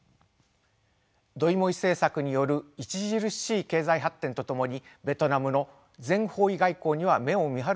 ドイモイ政策による著しい経済発展とともにベトナムの全方位外交には目を見張るものがあります。